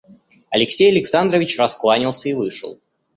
Алексей Александрович раскланялся и вышел.